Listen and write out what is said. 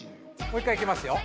もう１回いきますよ。